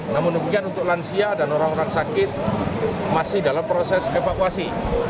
namun demikian untuk lansia dan orang orang sakit masih dalam proses evakuasi